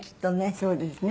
そうですね。